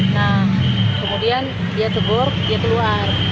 nah kemudian dia tebur dia keluar